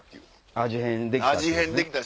味変できた。